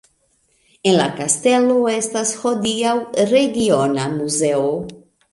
En la kastelo estas hodiaŭ regiona muzeo.